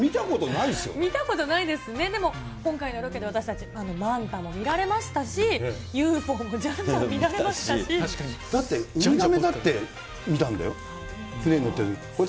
見たことないですね、でも今回のロケで私たち、マンタも見られましたし、ＵＦＯもじゃんじゃだって、海が目立って見たんだよ、船に乗ってるとき、